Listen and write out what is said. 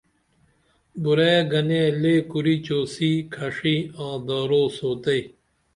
بُرعیے گنے لئے کُری چوسی، کھشی آں دارو سوتئی